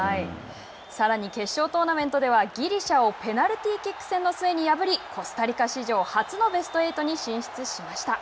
さらに決勝トーナメントではギリシャをペナルティーキック戦の末に破りコスタリカ史上初のベスト８に進出しました。